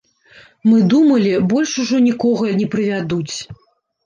Мы думалі, больш ужо нікога не прывядуць.